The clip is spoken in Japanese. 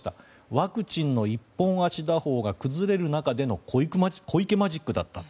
ワクチンの一本足打法が崩れる中での小池マジックだった。